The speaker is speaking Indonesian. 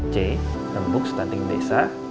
c tembuk stunting desa